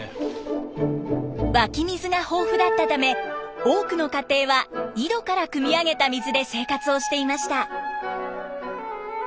湧き水が豊富だったため多くの家庭は井戸からくみ上げた水で生活をしていました。